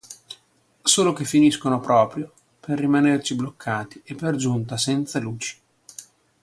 Solo che finiscono proprio per rimanerci bloccati e per giunta senza luci.